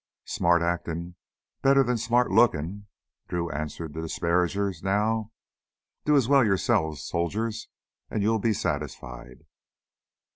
"Smart actin's better than smart lookin'," Drew answered the disparagers now. "Do as well yourselves, soldiers, and you'll be satisfied."